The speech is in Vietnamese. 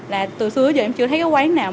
là từ xưa tới giờ em chưa thấy quán nào